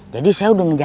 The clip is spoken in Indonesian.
bagus bagus bagus ya